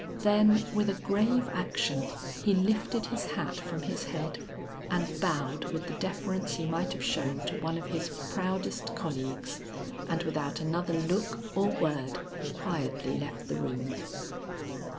Then with a grave action he lifted his hat from his head, and bowed with the deference he might have shown to one of his proudest colleagues, and without another look or word, quietly left the room.